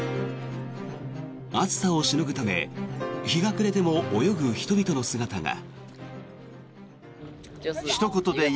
暑さをしのぐため日が暮れても泳ぐ人々の姿が。